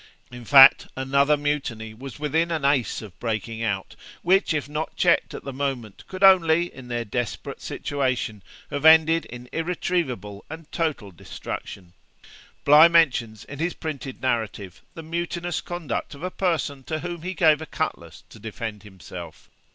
In fact, another mutiny was within an ace of breaking out, which, if not checked at the moment, could only, in their desperate situation, have ended in irretrievable and total destruction. Bligh mentions, in his printed narrative, the mutinous conduct of a person to whom he gave a cutlass to defend himself.